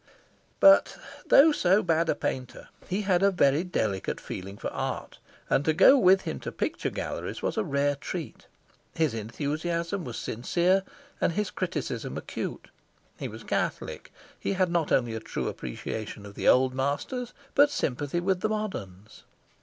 But though so bad a painter, he had a very delicate feeling for art, and to go with him to picture galleries was a rare treat. His enthusiasm was sincere and his criticism acute. He was catholic. He had not only a true appreciation of the old masters, but sympathy with the moderns.